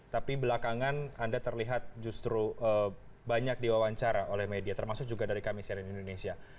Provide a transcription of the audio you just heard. tapi belakangan anda terlihat justru banyak diwawancara oleh media termasuk juga dari kami seri indonesia